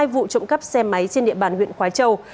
hai vụ trộm cắp xe máy trên địa bàn huyện khói châu